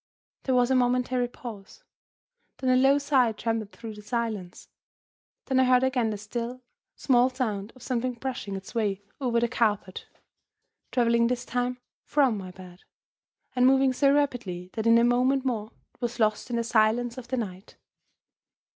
There was a momentary pause. Then a low sigh trembled through the silence. Then I heard again the still, small sound of something brushing its way over the carpet; traveling this time from my bed, and moving so rapidly that in a moment more it was lost in the silence of the night.